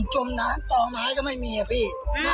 จมน้ำต่อไม้ก็ไม่มีอะพี่